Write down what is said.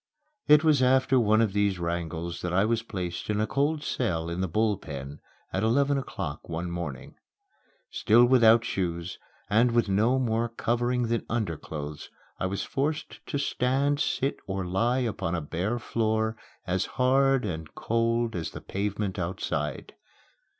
It was after one of these wrangles that I was placed in a cold cell in the Bull Pen at eleven o'clock one morning. Still without shoes and with no more covering than underclothes, I was forced to stand, sit, or lie upon a bare floor as hard and cold as the pavement outside.